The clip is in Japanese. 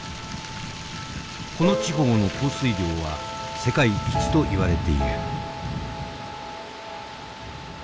この地方の降水量は世界一といわれている。